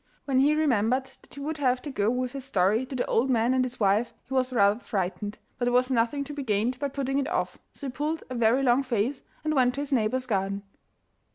When he remembered that he would have to go with his story to the old man and his wife he was rather frightened, but there was nothing to be gained by putting it off, so he pulled a very long face and went to his neighbour's garden.